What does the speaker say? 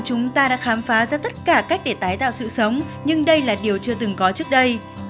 chúng ta đã khám phá ra tất cả cách để tái tạo sự sống nhưng đây là điều chưa từng có trước đây